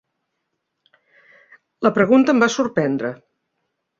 La pregunta em va sorprendre.